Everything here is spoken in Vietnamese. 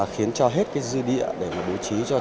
khiến cho hết dư địa để đối chí cho